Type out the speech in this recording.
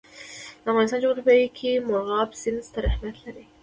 د افغانستان جغرافیه کې مورغاب سیند ستر اهمیت لري.